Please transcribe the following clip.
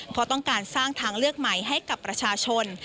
เพราะต้องการสร้างทางเลือกใหม่ให้กับประชาชน